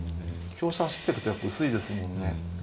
香車走ってるとやっぱ薄いですもんね。